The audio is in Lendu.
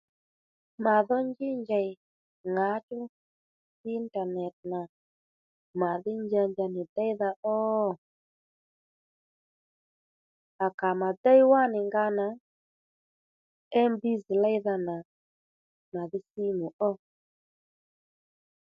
Mà dhó njí njèy ŋǎchú intànèt nà màdhí njanja nì déydha ó? À ka mà déy wánì nga nà MB léydha nà màdhí sǐmù ó